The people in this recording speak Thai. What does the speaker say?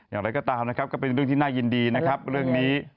อย่างไรก็ตามนะครับก็เป็นเรื่องที่น่ายินดีนะครับเรื่องนี้